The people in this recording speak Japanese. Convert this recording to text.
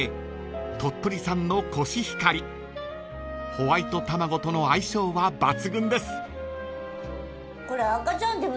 ［ホワイト卵との相性は抜群です］